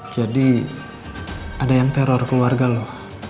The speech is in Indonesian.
jadi ada yang teror keluarga lo